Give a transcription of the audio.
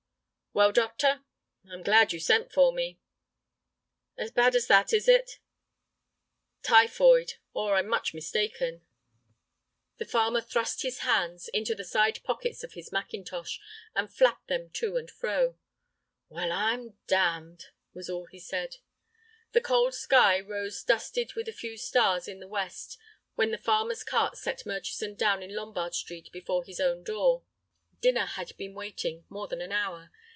"Well, doctor?" "I'm glad you sent for me." "As bad as that, is it?" "Typhoid, or I am much mistaken." The farmer thrust his hands into the side pockets of his mackintosh, and flapped them to and fro. "Well, I'm damned!" was all he said. The cold sky rose dusted with a few stars in the west when the farmer's cart set Murchison down in Lombard Street before his own door. Dinner had been waiting more than an hour.